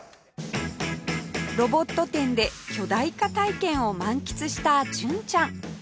ロボット展で巨大化体験を満喫した純ちゃん